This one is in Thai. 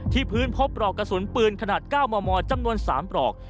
พื้นพบปลอกกระสุนปืนขนาด๙มมจำนวน๓ปลอก